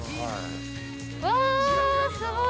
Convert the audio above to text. うわー、すごい。